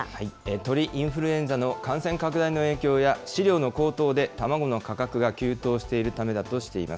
鳥インフルエンザの感染拡大の影響や飼料の高騰で、卵の価格が急騰しているためだとしています。